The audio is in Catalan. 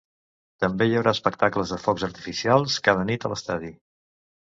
També hi haurà espectacles de focs artificials cada nit a l'estadi.